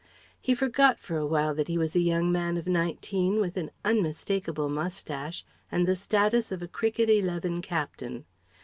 He forgot for a while that he was a young man of nineteen with an unmistakable moustache and the status of a cricket eleven captain.